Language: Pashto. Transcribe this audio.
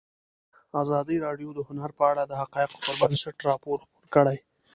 ازادي راډیو د هنر په اړه د حقایقو پر بنسټ راپور خپور کړی.